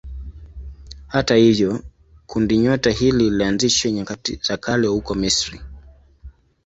Hata hivyo kundinyota hili lilianzishwa nyakati za kale huko Misri.